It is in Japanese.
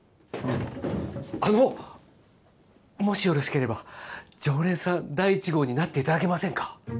あのもしよろしければ常連さん第一号になっていただけませんか？